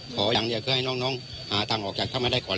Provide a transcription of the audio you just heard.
ขออย่างหนึ่งก็ให้น้องหาทางออกจากถ้ำได้ก่อน